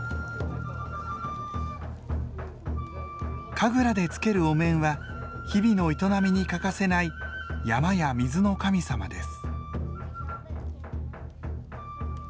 神楽でつけるお面は日々の営みに欠かせない山や水の神様です。